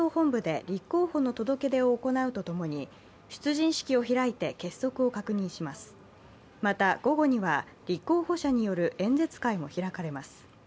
また、午後には立候補者による演説会も開かれます。